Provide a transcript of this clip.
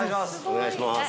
お願いします。